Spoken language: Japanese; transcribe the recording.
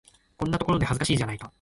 こんなところで、恥ずかしいじゃないか。